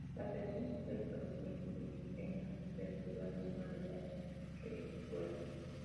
La tradición sitúa el establecimiento primigenio del pueblo en la zona de "Las regueras".